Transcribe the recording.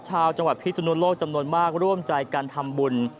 ชาวจังหวัดพิศนุโลกจำนวนมากร่วมใจการทำบุญ